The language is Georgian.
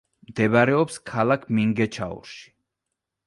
მდებარეობს ქალაქ მინგეჩაურში.